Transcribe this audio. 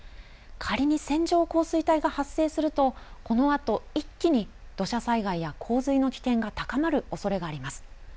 仮に線状降水帯が発生すると、このあと一気に、土砂災害や洪水の危険が高まるおそれがあります。